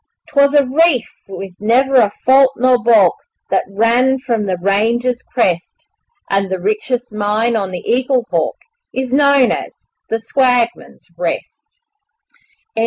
'Twas a reef with never a fault nor baulk That ran from the range's crest, And the richest mine on the Eaglehawk Is known as 'The Swagman's Rest'. [The End.